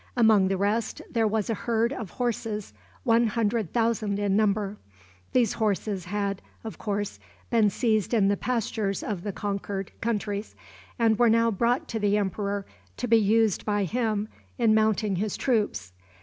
Among the rest, there was a herd of horses one hundred thousand in number. These horses had, of course, been seized in the pastures of the conquered countries, and were now brought to the emperor to be used by him in mounting his troops.